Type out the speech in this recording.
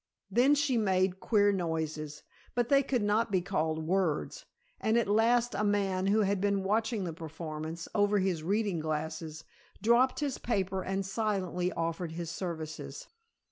Then she made queer noises, but they could not be called words, and at last a man who had been watching the performance, over his reading glasses, dropped his paper and silently offered his services.